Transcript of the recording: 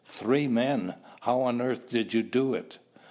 "Three men! How on earth did you do it?"